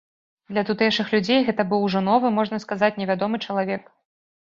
Для тутэйшых людзей гэта быў ужо новы, можна сказаць, невядомы чалавек.